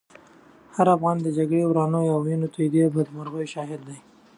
هر افغان د جګړې د ورانیو، وینو تویېدو او بدمرغیو شاهد دی.